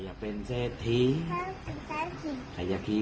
ใครเป็นแม่แล้วนะคะ